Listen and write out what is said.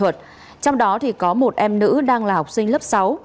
trong đó có một em nữ đang là học sinh lớp sáu